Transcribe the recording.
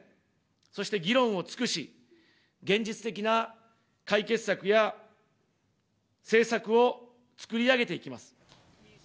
そして議論を尽くし、現実的な解決策や、政策を作り上げていきます。